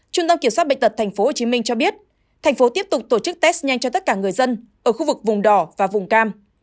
trung tâm kiểm soát bệnh tật tp hcm cho biết thành phố tiếp tục tổ chức test nhanh cho tất cả người dân ở khu vực vùng đỏ và vùng cam